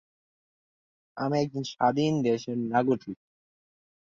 ততদিনে Tintin series হয়ে উঠেছে ফ্র্যাঙ্কো-বেলজীয় কমিক্স ধারার এক অবিচ্ছেদ্য অংশ।